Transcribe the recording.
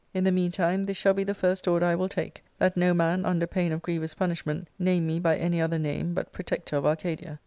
In the meantime^ 'ARCADIA.— JSook V. 453 this shall be the first order I will take, that no man, under pain of grievous punishment, name me by any other name but protector of Arcadia.